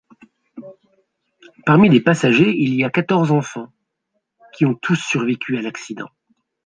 Parmi les passagers, il y a quatorze enfants, qui ont tous survécu à l'accident.